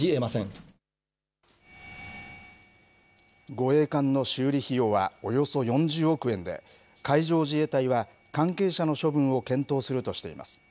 護衛艦の修理費用はおよそ４０億円で、海上自衛隊は、関係者の処分を検討するとしています。